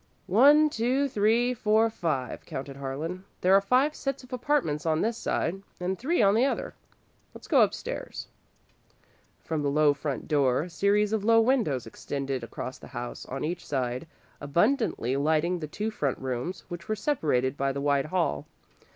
"One, two, three, four, five," counted Harlan. "There are five sets of apartments on this side, and three on the other. Let's go upstairs." From the low front door a series of low windows extended across the house on each side, abundantly lighting the two front rooms, which were separated by the wide hall.